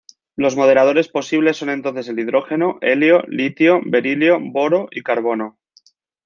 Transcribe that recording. Los moderadores posibles son entonces el hidrógeno, helio, litio, berilio, boro y carbono.